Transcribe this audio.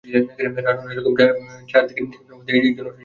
রানুর এ রকম চারদিকের নিস্তব্ধতার মধ্যে এক জন অশরীরী কেউ তাকে ডেকে ওঠে।